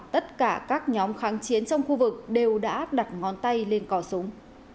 tất cả các nhóm kháng chiến trong khu vực đều đã đặt ngón tay lên cỏ súng